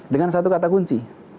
dengan satu kata kunci